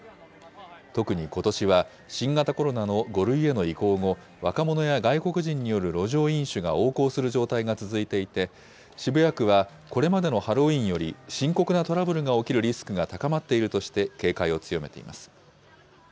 特にことしは、新型コロナの５類への移行後、若者や外国人による路上飲酒が横行する状態が続いていて、渋谷区は、これまでのハロウィーンより深刻なトラブルが起きるリスクが高まっているとして、警戒を強めています。